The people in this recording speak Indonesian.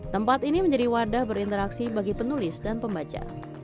tempat ini menjadi wadah berinteraksi bagi penulis dan pembaca